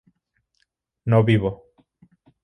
no vivo